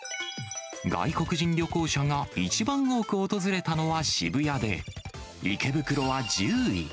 外国人旅行者が一番多く訪れたのは渋谷で、池袋は１０位。